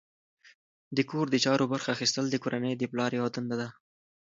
د کور د چارو برخه اخیستل د کورنۍ د پلار یوه دنده ده.